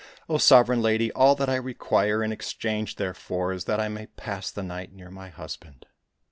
Oh, sovereign lady, all that I require in exchange therefor is that I may pass the night near my husband."